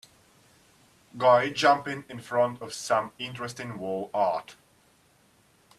Guy jumping in front of some interesting wall art.